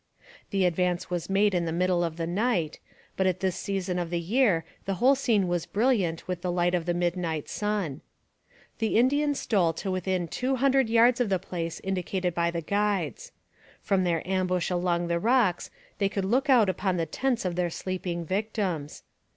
The advance was made in the middle of the night, but at this season of the year the whole scene was brilliant with the light of the midnight sun. The Indians stole to within two hundred yards of the place indicated by the guides. From their ambush among the rocks they could look out upon the tents of their sleeping victims.